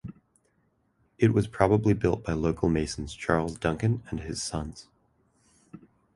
It was probably built by local masons Charles Duncan and his sons.